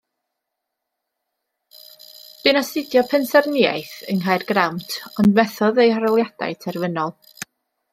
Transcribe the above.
Bu'n astudio pensaernïaeth yng Nghaergrawnt ond methodd ei arholiadau terfynol.